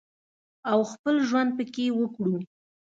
او خپل ژوند پکې وکړو